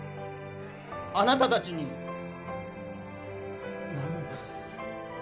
あなたたちに難破